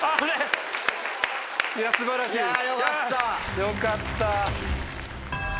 よかった。